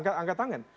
oke angkat tangan